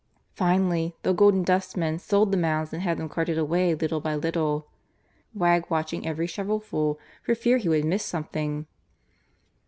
Finally The Golden Dustman sold the mounds and had them carted away little by little, Wegg watching every shovelful for fear he would miss something.